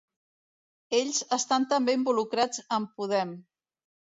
Ells estan també involucrats en Podem.